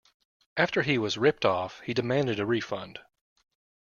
After he was ripped off, he demanded a refund.